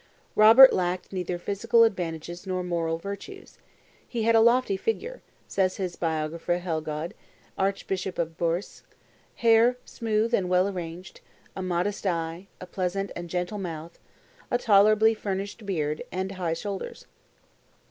Robert lacked neither physical advantages nor moral virtues: "He had a lofty figure," says his biographer Helgaud, archbishop of Bourgcs, "hair smooth and well arranged, a modest eye, a pleasant and gentle mouth, a tolerably furnished beard, and high shoulders.